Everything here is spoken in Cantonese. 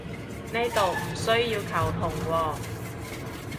呢度唔需要球僮喎